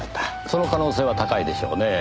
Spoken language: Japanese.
その可能性は高いでしょうねえ。